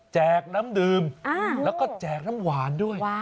น้ำดื่มแล้วก็แจกน้ำหวานด้วย